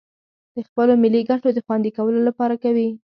د خپلو ملي گټو د خوندي کولو لپاره کوي